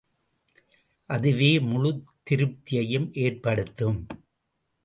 அதுவே முழுத் திருப்தியையும் ஏற்படுத்தும்.